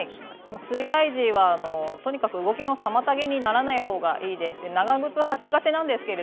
水害時はとにかく動きの妨げにならないほうがいいです。